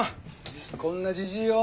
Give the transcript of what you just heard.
こんなじじいを。